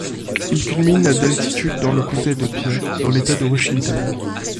Il culmine à d'altitude dans le comté de Pierce, dans l'État de Washington.